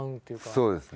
そうですね。